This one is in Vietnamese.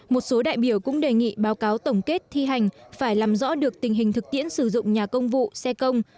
một số đại biểu cũng đề nghị báo cáo tổng kết thi hành phải làm rõ được tình hình thực tiễn sử dụng nhà công vụ xe công